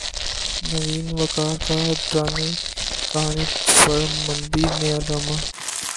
نوین وقار کا ڈرانی کہانی پر مبنی نیا ڈراما